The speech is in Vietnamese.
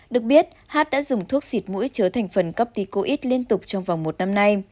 được biết hát đã dùng thuốc xịt mũi chứa thành phần corpticoid liên tục trong vòng một năm nay